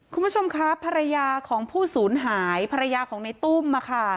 คุณผู้ชมครับภรรยาของผู้สูญหายภรรยาของในตุ้ม